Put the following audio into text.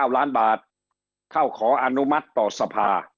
๙ล้านบาทเข้าขออนุมัติต่อสภา